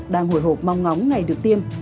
đang hồi hộp mong ngóng ngày được tiêm